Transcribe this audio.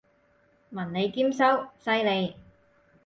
文理兼修，犀利！